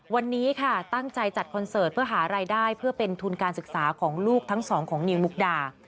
วันนี้ค่ะตั้งใจจัดคอนเสิร์ตเพื่อหารายได้เพื่อเป็นทุนการศึกษาของลูกทั้งสองของนิวมุกดา